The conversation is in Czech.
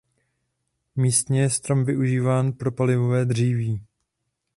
Místně je strom využíván pro palivové dříví.